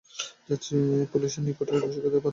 Police আপনাদের নিকট রসিকতার পাত্র হয়ে গেছে?